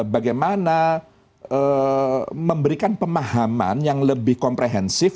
bagaimana memberikan pemahaman yang lebih komprehensif